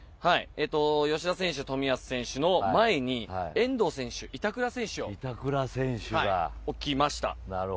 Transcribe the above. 吉田選手、冨安選手の前に遠藤選手、板倉選手を置きました。